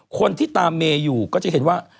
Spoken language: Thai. คนที่ตามเมย์อยู่ก็จะเห็นว่า